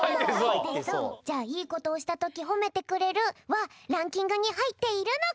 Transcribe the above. じゃあいいことをしたときほめてくれるはランキングにはいっているのか！？